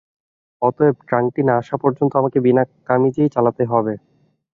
অতএব ট্রাঙ্কটি না আসা পর্যন্ত আমাকে বিনা কামিজেই চালাতে হবে।